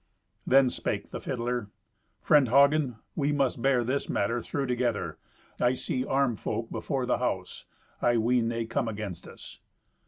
Then spake the fiddler, "Friend Hagen, we must bear this matter through together. I see armed folk before the house. I ween they come against us."